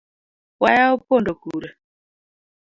Waya opondo kure?